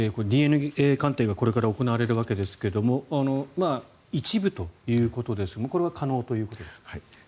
ＤＮＡ鑑定がこれから行われるわけですが一部ということですがこれは可能ということでしょうか。